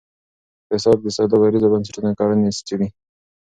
اقتصاد د سوداګریزو بنسټونو کړنې څیړي.